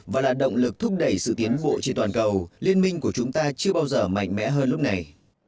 và là động lực thúc đẩy sự tiến bộ trên toàn cầu liên minh của chúng ta chưa bao giờ mạnh mẽ hơn lúc này